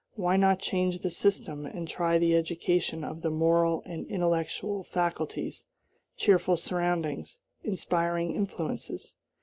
Why not change the system and try the education of the moral and intellectual faculties, cheerful surroundings, inspiring influences?